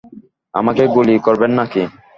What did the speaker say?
আমাকে গুলি করবেন নাকি?